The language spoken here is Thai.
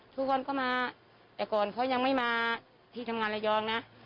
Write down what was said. แต่พอเขามาที่ระยอง